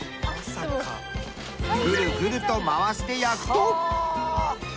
ぐるぐると回して焼くと。